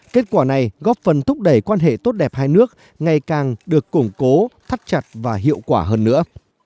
kết quả này góp phần thúc đẩy quan hệ tốt đẹp hai nước ngày càng được củng cố thắt chặt và hiệu quả hơn nữa